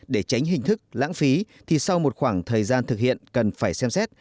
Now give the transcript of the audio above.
để tránh hình thức lãng phí thì sau một khoảng thời gian thực hiện cần phải xem xét